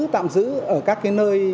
tạm giữ ở các nơi